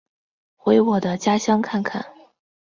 回我的家乡看看